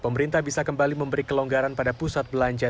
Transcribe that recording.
pemerintah bisa kembali memberi kelonggaran pada pusat belanja